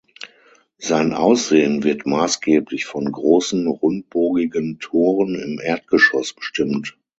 Sein Aussehen wird maßgeblich von großen, rundbogigen Toren im Erdgeschoss bestimmt.